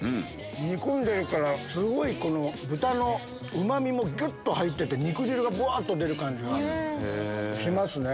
煮込んでるから豚のうま味もぎゅっと入ってて肉汁がぶわっと出る感じがしますね。